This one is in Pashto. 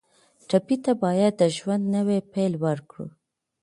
ټپي ته باید د ژوند نوی پیل ورکړو.